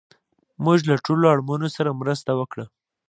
موږ له ټولو اړمنو سره مرسته وکړه